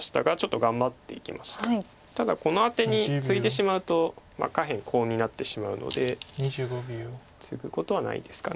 ただこのアテにツイでしまうと下辺コウになってしまうのでツグことはないですか。